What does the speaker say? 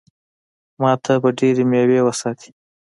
ما ته به ډېرې مېوې وساتي.